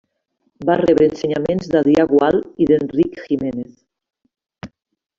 Va rebre ensenyaments d'Adrià Gual i d'Enric Giménez.